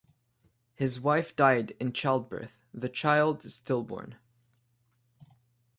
His wife died in childbirth, the child stillborn.